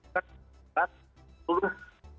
kan itu sudah